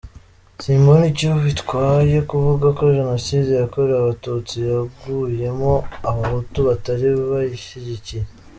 Simbona icyo bitwaye kuvuga ko jenoside yakorewe abatutsi yaguyemo n’abahutu batari bayishyigikiye.